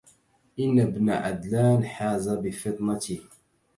إن ابن عدلان حاز بفطنته